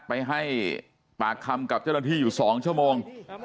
ไปให้ปากคำกับเจ้าหน้าที่อยู่๒ชั่วโมง